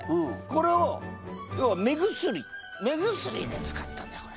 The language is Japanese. これを要は目薬目薬に使ったんだよこれ。